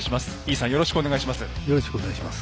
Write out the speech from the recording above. よろしくお願いします。